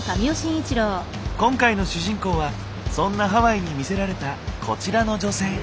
今回の主人公はそんなハワイに魅せられたこちらの女性。